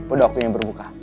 udah waktunya berbuka